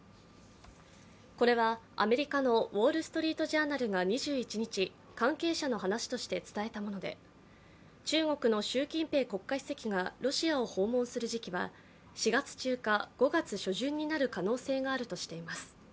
これは、アメリカの「ウォールストリート・ジャーナル」が２１日、関係者の話として伝えたもので中国の習近平国家主席がロシアを訪問する時期は４月中か５月初旬になる可能性があるとしています。